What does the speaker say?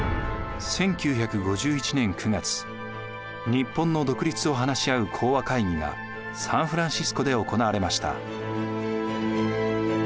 １９５１年９月日本の独立を話し合う講和会議がサンフランシスコで行われました。